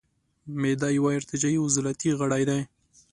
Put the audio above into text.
معده یو ارتجاعي عضلاتي غړی دی.